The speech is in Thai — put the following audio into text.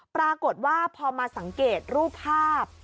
ปรากฏว่าพอมาสังเกตรูปภาพ